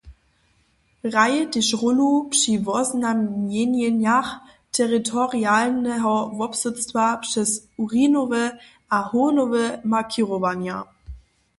Hraje tež rólu při woznamjenjenjach teritorialneho wobsydstwa přez urinowe a hownowe markěrowanja.